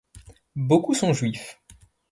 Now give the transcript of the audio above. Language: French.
Beaucoup sont juifs.